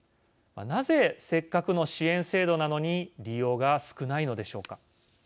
なぜ、せっかくの支援制度なのに利用が少ないのでしょうか。